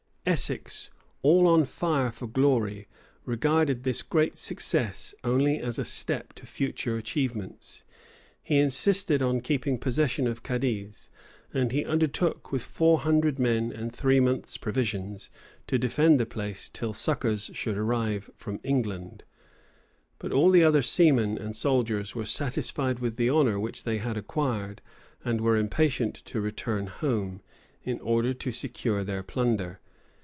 Essex, all on fire for glory, regarded this great success only as a step to future achievements: he insisted on keeping possession of Cadiz; and he undertook, with four hundred men and three months' provisions, to defend the place, till succors should arrive from England; but all the other seamen and soldiers were satisfied with the honor which they had acquired; and were impatient to return home, in order to secure their plunder.